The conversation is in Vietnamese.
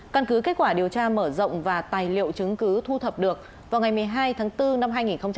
căn cứ kết quả điều tra mở rộng và tài liệu chứng cứ thu thập được vào ngày một mươi hai tháng bốn năm hai nghìn hai mươi